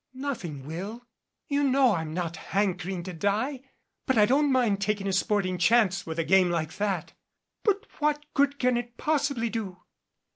"Nothing will you know I'm not hankering to die but I don't mind taking a sporting chance with a game like that." "But what good can it possibly do